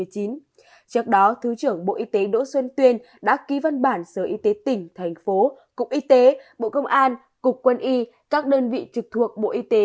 trước đó thứ trưởng bộ y tế đỗ xuân tuyên đã ký văn bản sở y tế tỉnh thành phố cục y tế bộ công an cục quân y các đơn vị trực thuộc bộ y tế